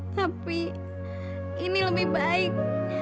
tapi ini lebih baik